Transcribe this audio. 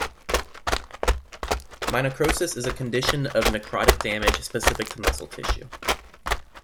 Myonecrosis is a condition of necrotic damage, specific to muscle tissue.